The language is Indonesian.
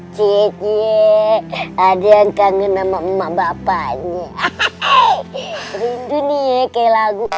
cek ada yang kangen nama mama bapaknya rindu nih kayak lagu